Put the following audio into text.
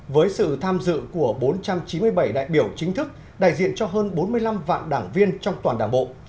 với sự tham dự của bốn trăm chín mươi bảy đại biểu chính thức đại diện cho hơn bốn mươi năm vạn đảng viên trong toàn đảng bộ